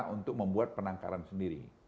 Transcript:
untuk membuat penangkaran sendiri